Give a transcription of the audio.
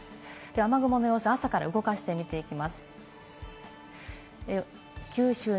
雨雲の様子、朝から動かしてみていきます。